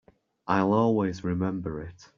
I'll always remember it.